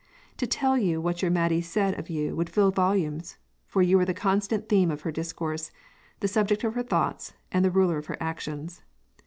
To tell you what your Maidie said of you would fill volumes; for you were the constant theme of her discourse, the subject of her thoughts, and ruler of her actions.